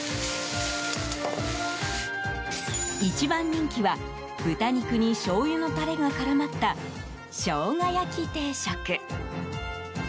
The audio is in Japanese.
一番人気は豚肉にしょうゆのタレが絡まった生姜焼定食。